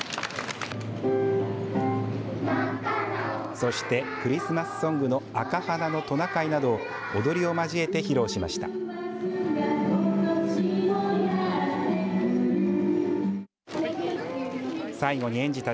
そして、クリスマスソングの赤鼻のトナカイなどを踊りをまじえて披露しました。